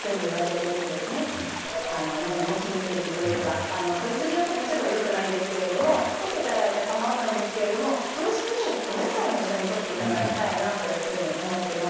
何も気にせずというかとりすぎはもちろんよくないんですけれどもとっていただいて構わないんですけれども同時にお野菜も一緒にとっていただきたいなというふうに思っています。